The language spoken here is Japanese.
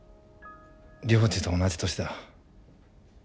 涼二と同じ年だ。